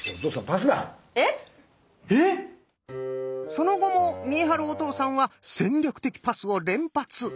その後も見栄晴お父さんは戦略的パスを連発！